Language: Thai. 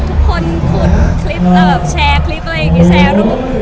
ทุกคนคุดคลิปแชร์คลิปเชอร์รูป